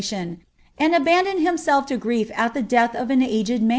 85 ipiation, and abandoned himself to grief at the death of an aged n